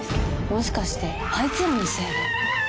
もしかしてあいつらのせいで？